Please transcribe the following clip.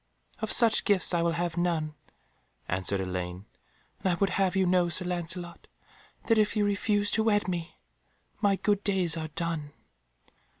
"Of such gifts I will have none," answered Elaine, "and I would have you know, Sir Lancelot, that if you refuse to wed me, my good days are done."